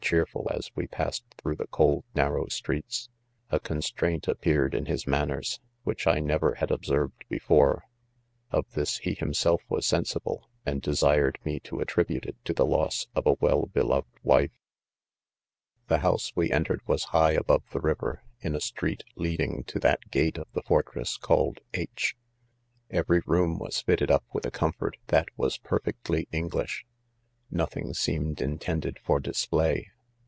cheerful as' we ; pasii§d r 'i'hr'oUgh ttte"6'6Id f narrow streets, a' cbn ''straftit r appeared L in''hrs manners, %hiek I nev er ' Ml observed f Before, i Of this 'he himself TOs^ensiMejand'^eMred meto attribute 'it to tie loss/Of a well "b6ldved%ife. ' s The^hoilse we entered was Mgli abovv, i^ THE CONFESSIONS. 85 ■river, in a street 'leading to that} gate of the fortress called H— . Every room was fitted up with a comfort that was perfectly English, Nothing seemed intended for display.